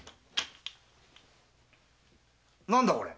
何だこれ？